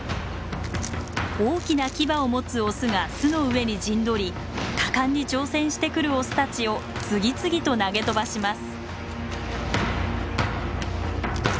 大きなキバを持つオスが巣の上に陣取り果敢に挑戦してくるオスたちを次々と投げ飛ばします。